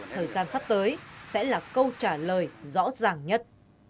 thời gian sắp tới sẽ là câu trả lời rõ ràng nhất